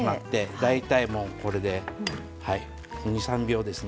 大体もうこれで２３秒ですね。